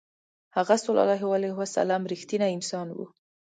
هغه ﷺ رښتینی انسان و.